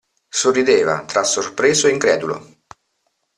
Sorrideva, tra sorpreso e incredulo.